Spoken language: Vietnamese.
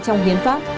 trong biến pháp